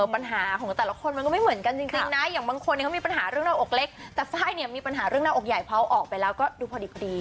ปัญหาของแต่ละคนมันก็ไม่เหมือนกันจริงนะอย่างบางคนเนี่ยเขามีปัญหาเรื่องหน้าอกเล็กแต่ไฟล์เนี่ยมีปัญหาเรื่องหน้าอกใหญ่เพราะออกไปแล้วก็ดูพอดี